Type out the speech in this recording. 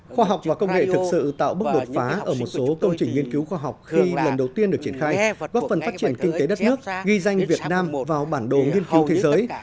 khoa học và công nghệ thực sự tạo bước đột phá ở một số công trình nghiên cứu khoa học khi lần đầu tiên được triển khai góp phần phát triển kinh tế đất nước ghi danh việt nam vào bản đồ nghiên cứu thế giới